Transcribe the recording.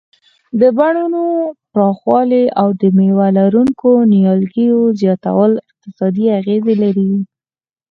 د بڼونو پراخوالی او د مېوه لرونکو نیالګیو زیاتول اقتصادي اغیز لري.